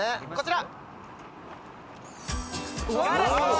こちら！